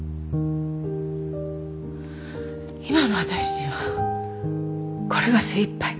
今の私にはこれが精いっぱい。